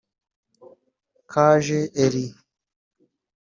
Kaje Elie